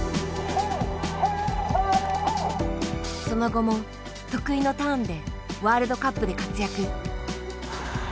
その後も得意のターンでワールドカップで活躍。